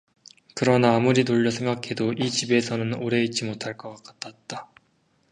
그러나 아무리 돌려 생각해도 이 집에서는 오래 있지 못할 것 같았다.